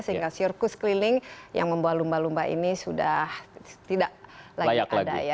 sehingga sirkus keliling yang membawa lumba lumba ini sudah tidak layak lagi